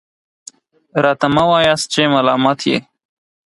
راته مه وایاست چې ملامت یې .